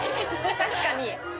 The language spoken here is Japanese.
確かに。